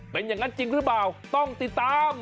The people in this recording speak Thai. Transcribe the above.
เป็นอย่างนั้นจริงหรือเปล่าต้องติดตาม